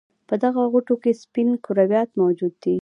په دغه غوټو کې سپین کرویات موجود دي.